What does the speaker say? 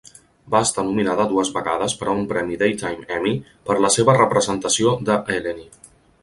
Va estar nominada dues vegades per a un premi Daytime Emmy per la seva representació de Eleni.